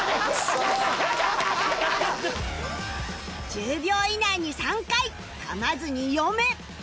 １０秒以内に３回噛まずに読め